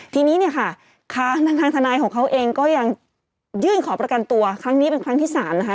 ทีนี้เนี่ยค่ะทางทนายของเขาเองก็ยังยื่นขอประกันตัวครั้งนี้เป็นครั้งที่๓นะคะ